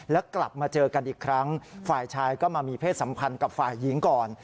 แล้วกลับมาเจอกันอีกครั้งฝ่ายชายก็มามีเพศสัมพันธ์กับฝ่ายหญิงก่อน